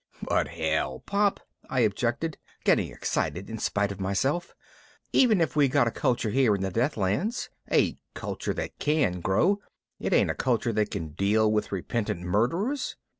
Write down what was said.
"But hell, Pop," I objected, getting excited in spite of myself, "even if we got a culture here in the Deathlands, a culture that can grow, it ain't a culture that can deal with repentant murderers.